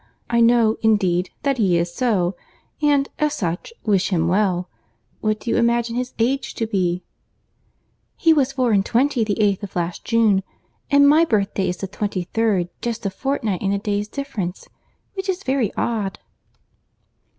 I know, indeed, that he is so, and, as such, wish him well. What do you imagine his age to be?" "He was four and twenty the 8th of last June, and my birthday is the 23rd just a fortnight and a day's difference—which is very odd."